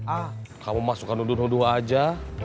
ah kamu mah suka nuduh nuduh aja